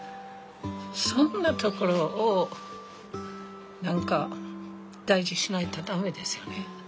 そんなところを何か大事しないと駄目ですよね。